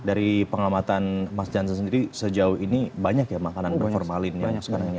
dari pengamatan mas jansen sendiri sejauh ini banyak ya makanan berformalin banyak sekarang ini